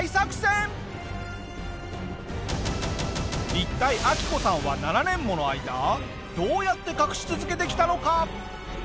一体アキコさんは７年もの間どうやって隠し続けてきたのか？